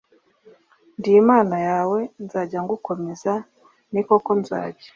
Ndi imana yawe nzajya ngukomeza ni koko nzajya